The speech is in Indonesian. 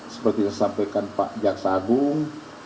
seperti yang disampaikan pak jaksa agung